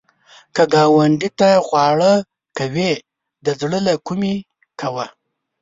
که ګاونډي ته خواړه کوې، د زړه له کومي کوه